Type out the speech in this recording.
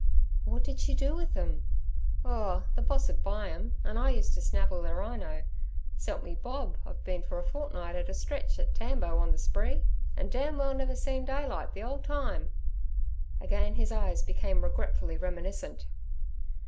'What did she do with them?' 'Oh, ther boss 'e'd buy 'em, an' I used t' snavel ther rino. S'elp me Bob, I've been for a fortnight at a stretch at Tambo on the spree, an' dam well never see daylight the 'ole time!' Again his eyes became regretfully reminiscent.